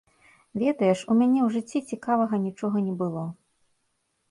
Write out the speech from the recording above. Ведаеш, у мяне ў жыцці цікавага нічога не было.